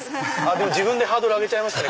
自分でハードル上げちゃいました。